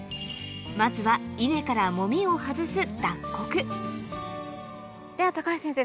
まずは稲から籾を外すでは高橋先生